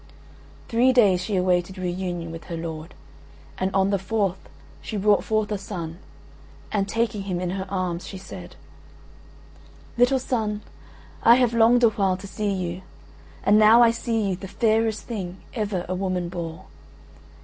Three days she awaited re union with her lord, and on the fourth she brought forth a son; and taking him in her arms she said: "Little son, I have longed a while to see you, and now I see you the fairest thing ever a woman bore.